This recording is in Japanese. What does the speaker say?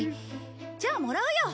じゃあもらうよ。